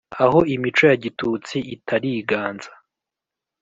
aho imico ya gitutsi itariganza.